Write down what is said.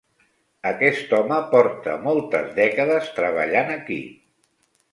Aquest home porta moltes dècades treballant aquí.